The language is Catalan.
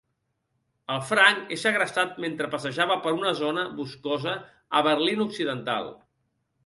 El Frank és segrestat mentre passejava per una zona boscosa a Berlin Occidental.